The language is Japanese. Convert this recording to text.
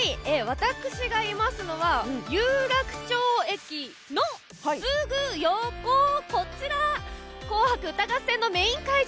私が今いますのは有楽町駅のすぐ横「紅白歌合戦」のメイン会場